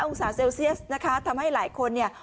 องศาเซลเซียสนะคะทำให้หลายคนเนี่ย